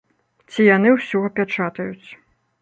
Ці яны ўсё апячатаюць.